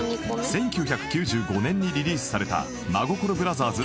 １９９５年にリリースされた真心ブラザーズ